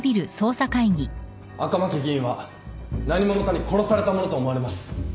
赤巻議員は何者かに殺されたものと思われます。